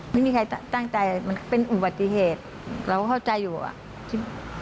ไม่มีใครตั้งใจมันเป็นอุบัติเหตุเราก็เข้าใจอยู่อ่ะใช่ไหม